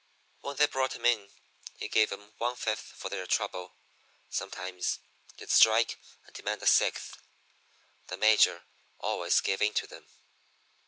When they brought 'em in he gave 'em one fifth for their trouble. Sometimes they'd strike and demand a sixth. The Major always gave in to 'em.